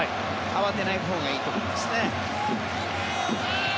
慌てないほうがいいと思います。